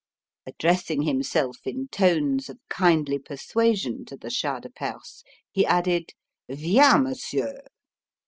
Addressing himself in tones of kindly persuasion to the Shah de Perse, he added: "Viens, Monsieur!"